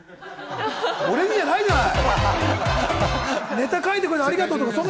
俺にじゃないじゃない！